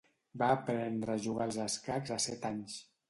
Va aprendre a jugar als escacs a set anys.